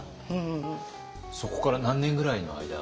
そこから何年ぐらいの間？